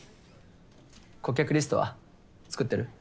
顧客リストは作ってる？